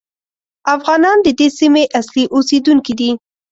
افغانان د دې سیمې اصلي اوسېدونکي دي.